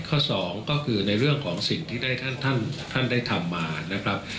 สองก็คือในเรื่องของสิ่งที่ได้ท่านได้ทำมานะครับ